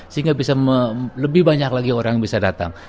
sehingga bisa lebih banyak lagi orang yang bisa datang